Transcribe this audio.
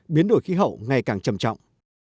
biến đổi khí hậu ngày càng trầm trọng